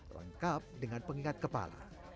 lengkap dengan pengingat kepala